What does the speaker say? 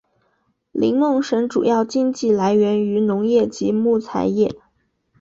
林梦省主要经济来源于农业及木材业。